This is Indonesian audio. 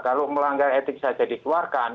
kalau melanggar etik saja dikeluarkan